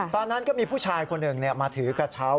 ตอนนั้นก็มีผู้ชายคนหนึ่งมาถือกระเช้า